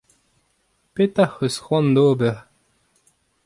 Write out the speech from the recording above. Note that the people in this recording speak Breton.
Petra hoc'h eus c'hoant da ober ?